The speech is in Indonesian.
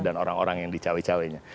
dan orang orang yang di cawe cawe nya